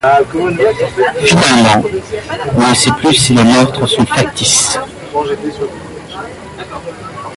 Finalement, on ne sait plus si les meurtres sont factices.